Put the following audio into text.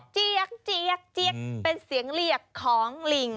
เจี๊ยกเจี๊ยกเจี๊ยกเป็นเสียงเหลี่ยกของลิง